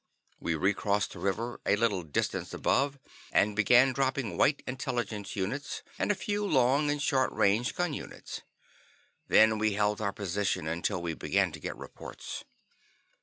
We recrossed the river a little distance above and began dropping White Intelligence units and a few long and short range gun units. Then we held our position until we began to get reports.